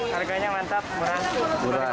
harganya mantap murah